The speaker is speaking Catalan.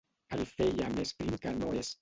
El feia més prim que no és.